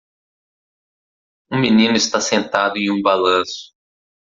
Um menino está sentado em um balanço.